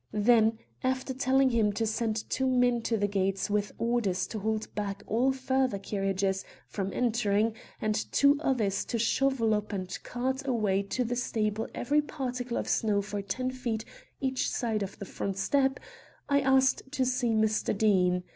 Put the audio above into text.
Then, after telling him to send two men to the gates with orders to hold back all further carriages from entering, and two others to shovel up and cart away to the stable every particle of snow for ten feet each side of the front step, I asked to see Mr. Deane.